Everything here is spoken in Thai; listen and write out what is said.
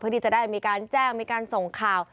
ที่จะได้มีการแจ้งมีการส่งข่าว